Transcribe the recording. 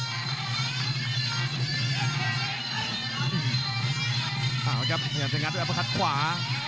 ท่ามาครับเลยทำให้ตั้งตาด้วยอัปการ์ตขวา